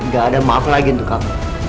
gak ada maaf lagi untuk kamu